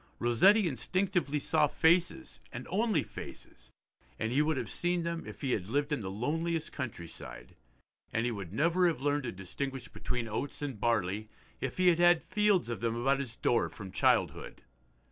Rossetti instinctively saw faces, and only faces, and he would have seen them if he had lived in the loneliest countryside, and he would never have learned to distinguish between oats and barley if he had had fields of them about his door from childhood.